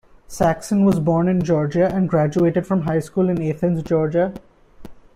Saxon was born in Georgia and graduated from high school in Athens, Georgia.